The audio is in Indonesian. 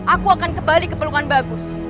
aku akan kembali ke pelukan bagus